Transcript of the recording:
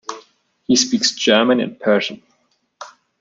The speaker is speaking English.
He speaks German and Persian.